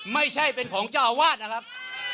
ไม่ใช่เป็นของเจ้าอาวาสนะครับ